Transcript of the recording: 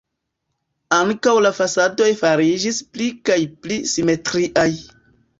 Ankaŭ la fasadoj fariĝis pli kaj pli simetriaj.